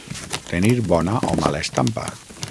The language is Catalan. Tenir bona o mala estampa.